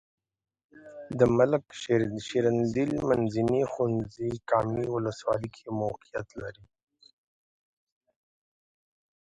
د ملک شیریندل منځنی ښونځی کامې ولسوالۍ کې موقعیت لري.